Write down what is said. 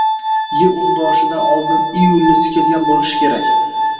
Y undoshidan oldin i unlisi kelgan boʻlishi kerak